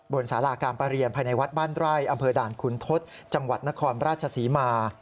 สาราการประเรียนภายในวัดบ้านไร่อำเภอด่านขุนทศจังหวัดนครราชศรีมา